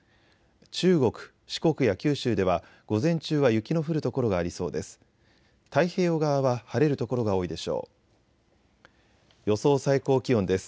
中国、四国や九州では午前中は雪の降る所がありそうです。